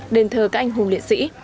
đền thờ các anh hùng liệt sĩ